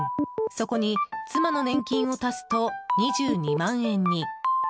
そこに妻の年金を足すと２２万円に。